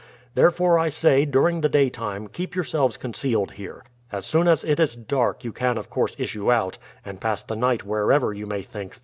Therefore I say, during the daytime keep yourselves concealed here. As soon as it is dark you can of course issue out and pass the night wherever you may think fit."